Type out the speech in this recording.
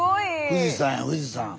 富士山や富士山。